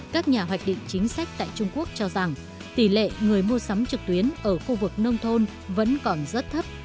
các nhà hoạch định chính sách tại trung quốc cho rằng tỷ lệ người mua sắm trực tuyến ở khu vực nông thôn vẫn còn rất thấp